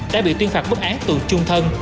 đã bị tuyên phạt bức án tù chung thân